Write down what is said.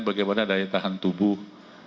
bagaimana daya tahan tubuh